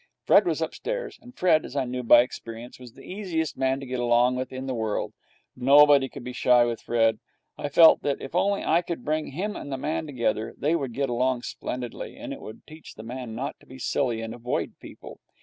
Fred was upstairs, and Fred, as I knew by experience, was the easiest man to get along with in the world. Nobody could be shy with Fred. I felt that if only I could bring him and the man together, they would get along splendidly, and it would teach the man not to be silly and avoid people.